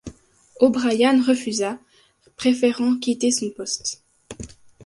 O'Brien refusa, préférant quitter son poste.